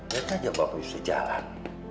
lihat saja bapak bisa jalan